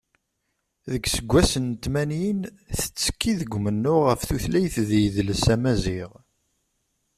Deg yiseggasen n tmanyin, tettekki deg umennuɣ ɣef tutlayt d yidles amaziɣ.